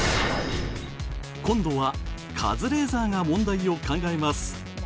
今度はカズレーザーが問題を考えます。